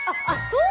そう